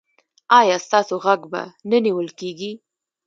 ایا ستاسو غږ به نه نیول کیږي؟